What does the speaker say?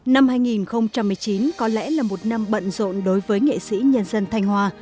năm hai nghìn một mươi chín có lẽ là một năm bận rộn đối với nghệ sĩ nhân dân thanh hòa